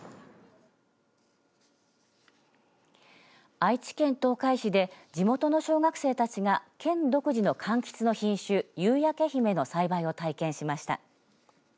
愛知県東海市で地元の小学生たちが県独自のかんきつの品種夕焼け姫の栽培を体験しました。